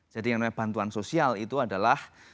jadi yang namanya bantuan sosial itu adalah